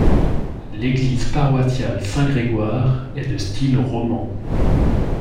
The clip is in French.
L'église paroissiale Saint-Grégoire est de style roman.